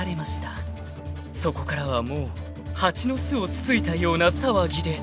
［そこからはもう蜂の巣をつついたような騒ぎで］